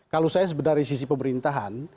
kalau saya sebenarnya dari sisi pemerintahan